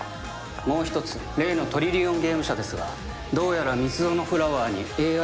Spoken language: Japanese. もう一つ例のトリリオンゲーム社ですがどうやら蜜園フラワーにＡＩ